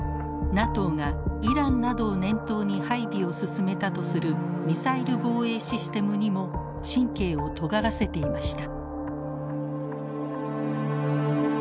ＮＡＴＯがイランなどを念頭に配備を進めたとするミサイル防衛システムにも神経をとがらせていました。